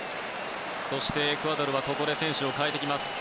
エクアドルはここで選手を代えてきます。